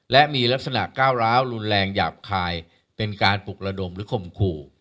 และมีลักษณะก้าวร้าวรุนแรงหยาบคายเป็นการปลุกระดมหรือข่มขู่